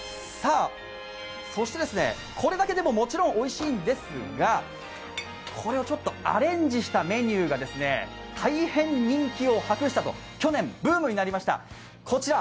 そして、これだけでももちろんおいしいんですがこれをちょっとアレンジしたメニューが大変人気を博したと去年、ブームになりました。